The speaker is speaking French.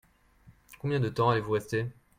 Combien de temps allez-vous rester ?